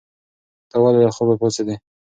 ته ولې له خوبه پاڅېدې؟